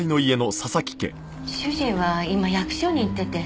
主人は今役所に行ってて。